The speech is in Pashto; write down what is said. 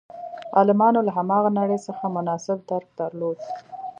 عالمانو له هماغه نړۍ څخه مناسب درک درلود.